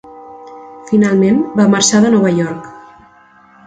Finalment, va marxar de Nova York.